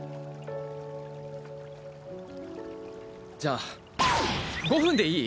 じゃあ５分でいい？